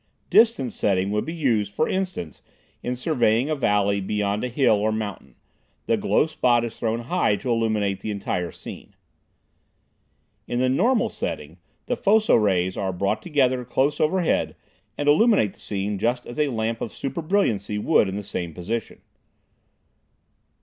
"Distance" setting would be used, for instance, in surveying a valley beyond a hill or mountain; the glow spot is thrown high to illuminate the entire scene. In the "normal" setting the foco rays are brought together close overhead, and illuminate the scene just as a lamp of super brilliancy would in the same position.